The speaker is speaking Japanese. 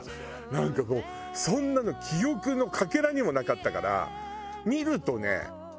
なんかもうそんなの記憶のかけらにもなかったからわかる！